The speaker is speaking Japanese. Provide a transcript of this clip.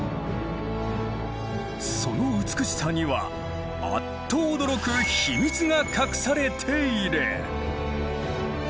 その美しさにはあっと驚く秘密が隠されている。